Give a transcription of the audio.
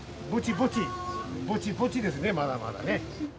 ぼちぼちですね、まだまだね。